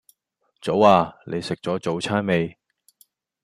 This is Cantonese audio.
早呀！你食左早餐未